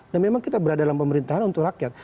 nah memang kita berada dalam pemerintahan untuk rakyat